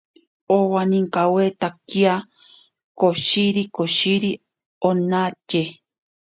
Owaninkawitakia koshiri koshiri onatye.